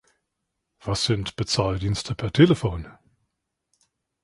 Was sind Bezahldienste per Telefon?